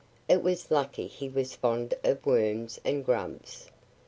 It was lucky he was fond of worms and grubs.